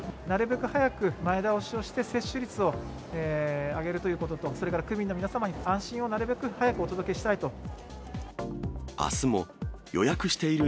なるべく早く前倒しをして、接種率を上げるということと、それから区民の皆様に安心をなるべく早くお届けしたいと。